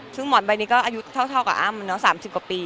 ซึ่งหมอนใบนี้ก็อายุเท่ากับอ้ำ๓๐กว่าปี